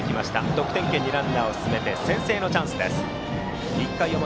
得点圏にランナーを進めて先制のチャンスです。